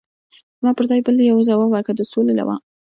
زما پر ځای بل یوه ځواب ورکړ: د سولې لوا.